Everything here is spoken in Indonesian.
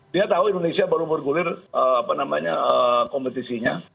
dia tahu indonesia baru bergulir kompetisinya